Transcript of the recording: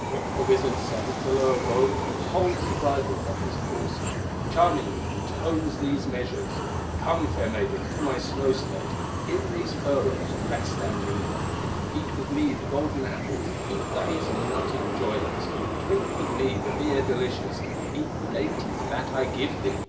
Quick the wizard son, Kullervo, Holds the bridle of his courser, Charmingly intones these measures: "Come, fair maiden, to my snow sledge, In these fur robes rest, and linger; Eat with me the golden apples, Eat the hazel nut in joyance, Drink with me the beer delicious, Eat the dainties that I give thee."